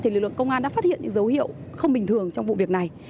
lực lượng công an đã phát hiện những dấu hiệu không bình thường trong vụ việc này